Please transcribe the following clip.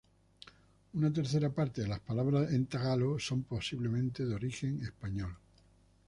Una tercera parte de las palabras en tagalo son posiblemente de origen español.